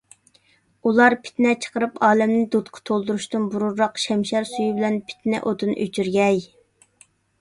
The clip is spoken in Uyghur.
ئۇلار پىتنە چىقىرىپ ئالەمنى دۇتقا تولدۇرۇشتىن بۇرۇنراق شەمشەر سۈيى بىلەن پىتنە ئوتىنى ئۆچۈرگەي.